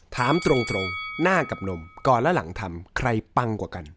ถามตรงหน้ากับนมก่อนและหลังทำใครปังกว่ากัน